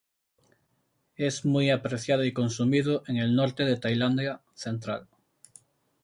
Es muy apreciado y consumido en el norte de Tailandia central.